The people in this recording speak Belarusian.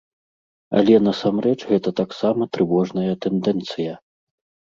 Але насамрэч гэта таксама трывожная тэндэнцыя.